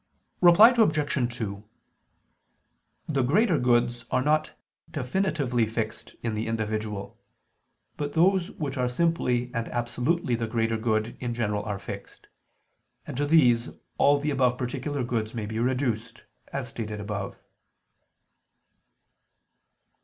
Reply Obj. 2: The greater goods are not definitely fixed in the individual; but those which are simply and absolutely the greater good in general are fixed: and to these all the above particular goods may be reduced, as stated above.